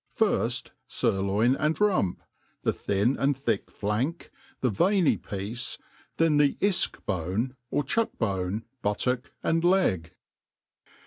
FIRST flrloin and rump, the thin and thrick flank, the vernjr. piece, then the ifch bone, or chuck bone, buttock, and leg.